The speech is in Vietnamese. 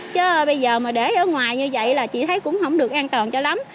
chứ bây giờ mà để ở ngoài như vậy là chị thấy cũng không được an toàn cho lắm